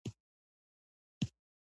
ناکامو ارزوګانو خپل زړګی ستومانه ساتم.